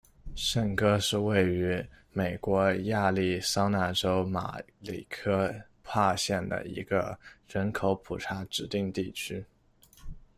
圣歌是位于美国亚利桑那州马里科帕县的一个人口普查指定地区。